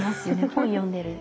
本読んでる。